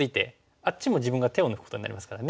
あっちも自分が手を抜くことになりますからね。